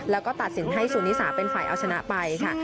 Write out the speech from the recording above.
แล้วก็ตัดสินให้สุนิสาเป็นฝ่ายเอาชนะไปค่ะ